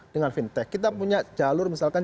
dengan fintech kita punya jalur misalkan